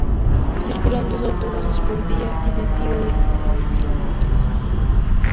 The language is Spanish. Circulan dos autobuses por día y sentido, de lunes a viernes laborables.